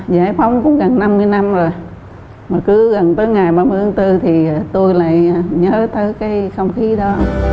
giải phóng cũng gần năm mươi năm rồi mà cứ gần tới ngày ba mươi tháng bốn thì tôi lại nhớ tới cái không khí đó